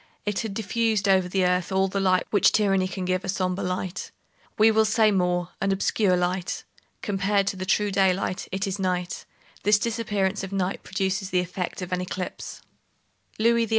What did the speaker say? It had diffused over the earth all the light which tyranny can give—a sombre light. We will say more; an obscure light. Compared to the true daylight, it is night. This disappearance of night produces the effect of an eclipse. Louis XVIII.